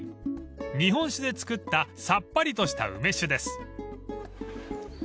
［日本酒で造ったさっぱりとした梅酒です］